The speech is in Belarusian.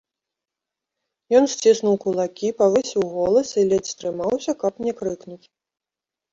Ён сціснуў кулакі, павысіў голас і ледзь стрымаўся, каб не крыкнуць.